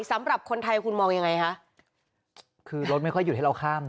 สำหรับคนไทยคุณมองยังไงคะคือรถไม่ค่อยหยุดให้เราข้ามนะ